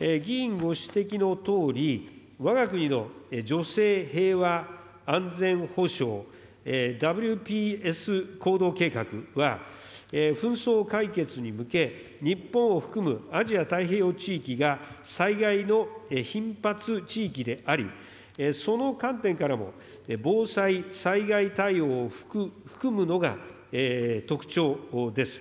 議員ご指摘のとおり、わが国の女性平和安全保障、ＷＰＳ行動計画は、紛争解決に向け、日本を含むアジア太平洋地域が災害の頻発地域であり、その観点からも防災災害対応を含むのが特徴です。